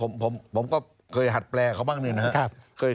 ไม่รู้ผมก็เคยหัดแปลเขาบ้างนึงนะครับ